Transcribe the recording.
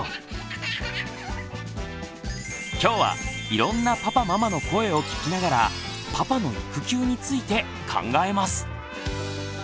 今日はいろんなパパママの声を聞きながら「パパの育休」について考えます！